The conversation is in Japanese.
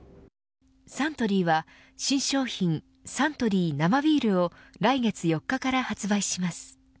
サントリーは新商品サントリー生ビールを来月４日から発売します。